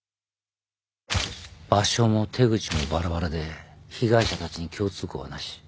場所も手口もばらばらで被害者たちに共通項はなし。